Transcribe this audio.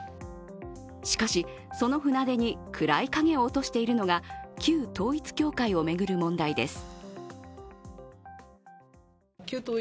しかし、その船出にくらい影を落としているのが旧統一教会を巡る問題です。